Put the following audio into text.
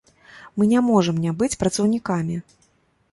Мы не можам не быць працаўнікамі.